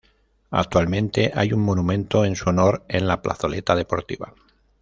Actualmente hay un monumento en su honor en la Plazoleta Deportiva.